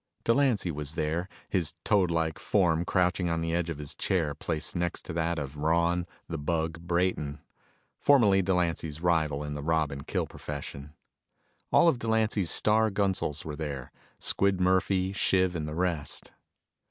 Delancy was there, his toadlike form crouching on the edge of his chair placed next to that of Ron "The Bug" Brayton, formerly Delancy's rival in the rob and kill profession. All of Delancy's star gunsels were there Squid Murphy, Shiv and the rest.